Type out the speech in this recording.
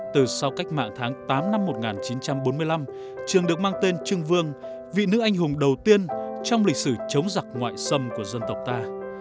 từ sau cách mạng tháng tám năm một nghìn chín trăm bốn mươi năm trường được mang tên trương vương vị nữ anh hùng đầu tiên trong lịch sử chống giặc ngoại xâm của dân tộc ta